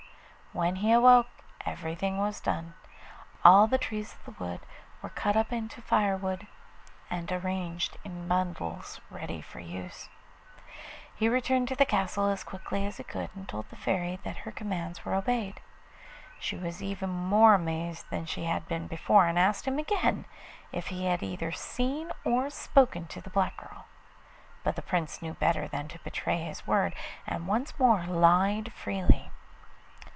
When he awoke everything, was done. All the trees of the wood were cut up into firewood and arranged in bundles ready for use. He returned to the castle as quickly as he could, and told the Fairy that her commands were obeyed. She was even more amazed than she had been before, and asked him again if he had either seen or spoken to the black girl; but the Prince knew better than to betray his word, and once more lied freely.